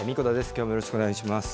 きょうもよろしくお願いします。